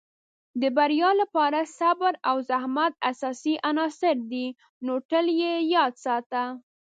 د بریا لپاره صبر او زحمت اساسي عناصر دي، نو تل یې یاد ساته.